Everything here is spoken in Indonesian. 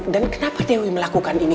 dan kenapa dewi melakukan ini